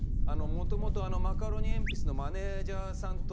もともとマカロニえんぴつのマネージャーさんと仲良くて。